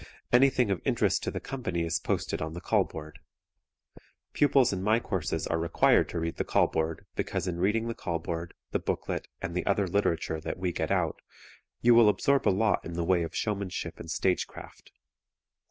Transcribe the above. Anything of interest to the company is posted on the call board. Pupils in my courses are required to read the call board because in reading the call board, the booklet and the other literature that we get out, you will absorb a lot in the way of showmanship and stage craft.